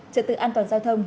trật tự an toàn giao thông